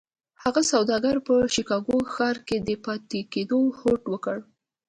هغه سوداګر په شيکاګو ښار کې د پاتې کېدو هوډ وکړ.